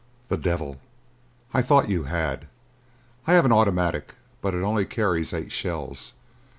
"The devil! I thought you had. I have an automatic, but it only carries eight shells.